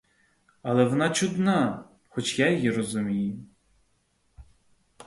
Але вона чудна, хоч я її розумію.